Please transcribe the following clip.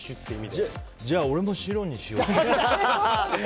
じゃあ、俺も白にしようかな。